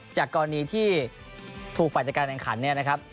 จากกรณีที่ถูกฝันจากการแข่งขัน